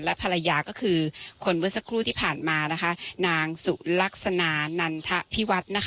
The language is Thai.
และภรรยาก็คือคนเวิร์ดสักครู่ที่ผ่านมานางสุลักษณะนันทพิวัตร